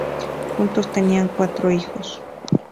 Juntos tenían cuatro hijos.